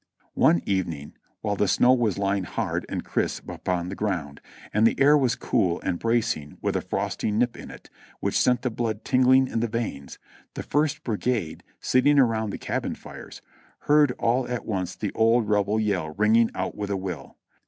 One evening, while the snow was lying hard and crisp upon the ground and the air was cool and bracing with a frosty nip in it which sent the blood tingling in the veins, the First Brigade, sitting around the cabin fires, heard all at once the old Rebel yell ringing out with a will.